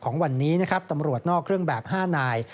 ของวันนี้นะครับตำรวจนอกเครื่องแบบ๕นาย